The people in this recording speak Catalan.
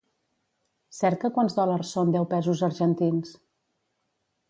Cerca quants dòlars són deu pesos argentins.